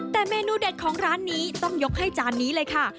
แต่เมนูเด็ดของร้านนี้ต้องยกให้จานนี้เลยค่ะ